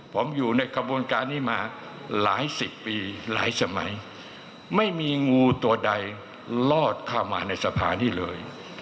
ผมอยู่ในกระบวนการนี้มาหลายสิบปีหลายสมัยไม่มีงูตัวใดลอดเข้ามาในสภานี้เลย